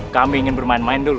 kami ingin bermain main dulu